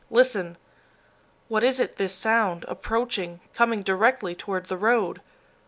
Listen! What is it, this sound, approaching, coming directly toward the road?